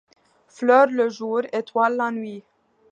Fleurs le jour, étoiles la nuit.